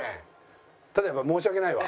ただやっぱ申し訳ないわ。